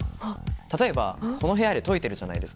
例えばこの部屋で解いてるじゃないですか。